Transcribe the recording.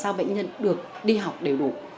để làm sao bệnh nhân được đi học đều đủ